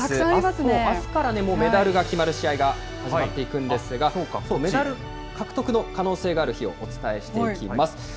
あすからもうメダルが決まる試合が始まっていくんですが、メダル獲得の可能性がある日をお伝えしていきます。